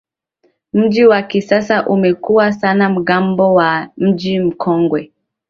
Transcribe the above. Mji wa kisasa umekua sana ngambo ya Mji Mkongwe